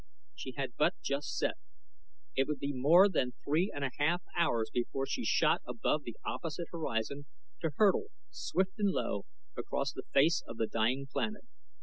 She had but just set. It would be more than three and a half hours before she shot above the opposite horizon to hurtle, swift and low, across the face of the dying planet.